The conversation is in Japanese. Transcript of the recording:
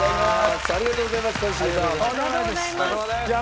ありがとうございます一茂さん。